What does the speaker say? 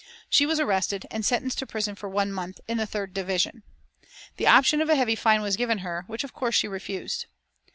She was arrested and sentenced to prison for one month, in the third division. The option of a heavy fine was given her, which of course she refused.